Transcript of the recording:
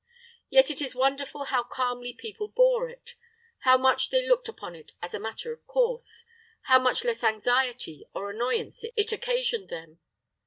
Yet it is wonderful how calmly people bore it, how much they looked upon it as a matter of course, how much less anxiety or annoyance it occasioned them.